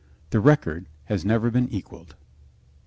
The record has never been equaled.